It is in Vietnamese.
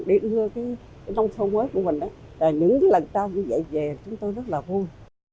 để hư cái nông thôn mới của mình những lần trao như vậy về chúng tôi rất là vui